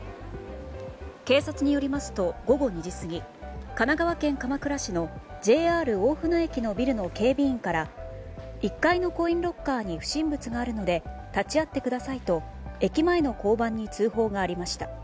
警察によりますと午後２時過ぎ神奈川県鎌倉市のＪＲ大船駅のビルの警備員から１階のコインロッカーに不審物があるので立ち会ってくださいと駅前の交番に通報がありました。